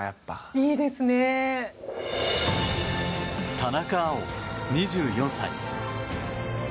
田中碧、２４歳。